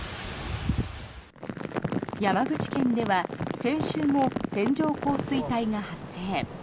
山口県では先週も線状降水帯が発生。